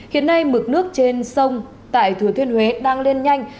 hiện nay mực nước trên sông tại thừa thiên huế đang lên nhanh